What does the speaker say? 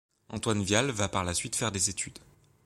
Antoine Vial va par la suite faire des études.